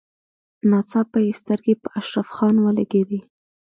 ناڅاپه يې سترګې په اشرف خان ولګېدې.